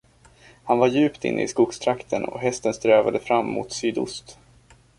Han var djupt inne i skogstrakten, och hästen strävade fram mot sydost.